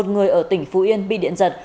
một người ở tỉnh phú yên bị điện giật